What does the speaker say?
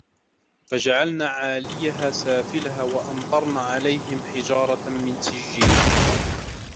فَجَعَلْنَا عَالِيَهَا سَافِلَهَا وَأَمْطَرْنَا عَلَيْهِمْ حِجَارَةً مِنْ سِجِّيلٍ